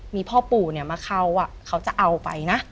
มีพ่อปู่มาเข้าเขาจะเอาไปนะ